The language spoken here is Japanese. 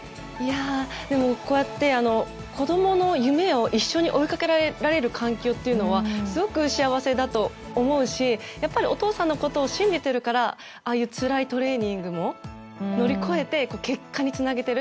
こうやって子供の夢を一緒に追いかけられる環境というのはすごく幸せだと思うしお父さんのことを信じているからああいうつらいトレーニングも乗り越えて結果につなげている。